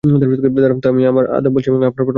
দারুন তো, আমি আদাব বলছি আর আপনি প্রণাম বলছেন।